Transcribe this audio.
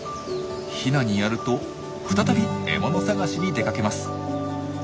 ヒナにやると再び獲物探しに出かけます。